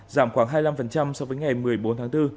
giảm khoảng hai mươi năm so với ngày một mươi bốn tháng bốn